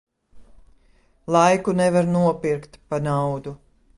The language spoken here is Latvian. Laiku nevar nopirkt pa naudu.